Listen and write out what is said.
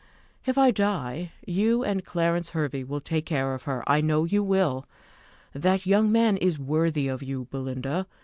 If I die, you and Clarence Hervey will take care of her; I know you will. That young man is worthy of you, Belinda.